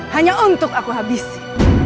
hanya untuk aku habisi